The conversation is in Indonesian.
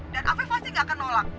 dan afif pasti gak akan nolak